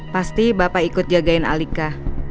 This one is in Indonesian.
pasti bapak ikut jagain alika